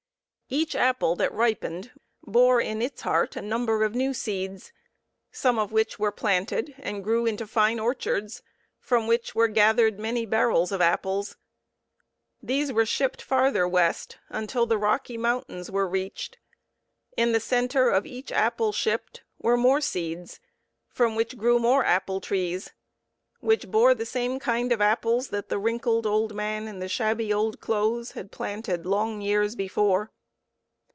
Each apple that ripened bore in its heart a number of new seeds, some of which were planted and grew into fine orchards from which were gathered many barrels of apples. These were shipped farther west, until the Rocky Mountains were reached. In the centre of each apple shipped were more seeds, from which grew more apple trees, which bore the same kind of apples that the wrinkled old man in the shabby old clothes had planted long years before.